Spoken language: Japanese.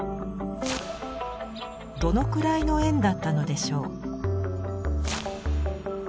どのくらいの円だったのでしょう？